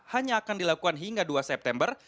hanya akan dilakukan hingga dua september